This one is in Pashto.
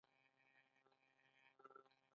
بېنډۍ د شکر ضد خاصیت لري